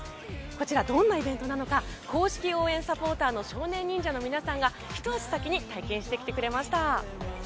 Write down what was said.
こちら、どんなイベントなのか公式応援サポーターの少年忍者の皆さんがひと足先に体験してきてくれました。